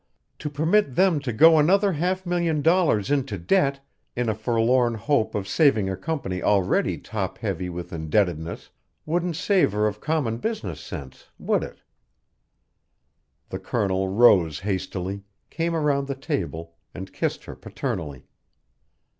to permit them to go another half million dollars into debt in a forlorn hope of saving a company already top heavy with indebtedness wouldn't savor of common business sense. Would it?" The Colonel rose hastily, came around the table, and kissed her paternally.